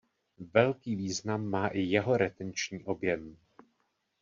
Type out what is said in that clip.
Velký význam má i jeho retenční objem.